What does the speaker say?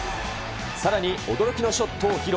さらに驚きのショットを披露。